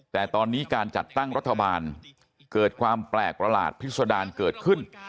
แต่ตอนนี้การจัดตั้งรัฐบาลเกิดความแปลกประหลาดพิษดารเกิดขึ้น